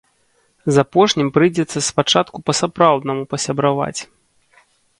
З апошнім прыйдзецца спачатку па-сапраўднаму пасябраваць.